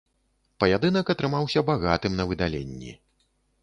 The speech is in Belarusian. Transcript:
Паядынак атрымаўся багатым на выдаленні.